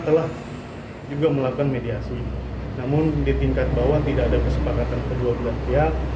telah juga melakukan mediasi namun di tingkat bawah tidak ada kesepakatan kedua belah pihak